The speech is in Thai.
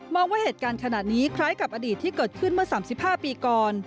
ว่าเหตุการณ์ขนาดนี้คล้ายกับอดีตที่เกิดขึ้นเมื่อ๓๕ปีก่อน